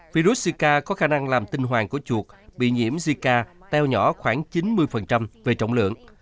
virus sika có khả năng làm tinh hoàng của chuột bị nhiễm zika teo nhỏ khoảng chín mươi về trọng lượng